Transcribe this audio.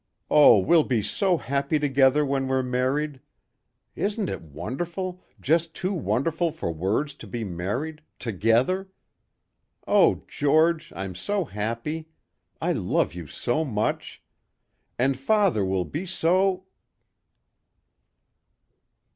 "Oh, we'll be so happy together when we're married. Isn't it wonderful, just too wonderful for words to be married together. Oh George! I'm so happy.... I love you so much. And father will be so...."